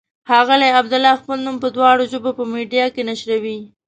ښاغلی عبدالله خپل نوم په دواړو ژبو په میډیا کې نشروي.